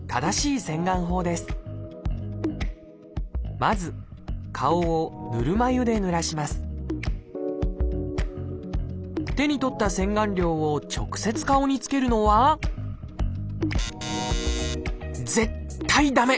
まず手に取った洗顔料を直接顔につけるのは絶対駄目！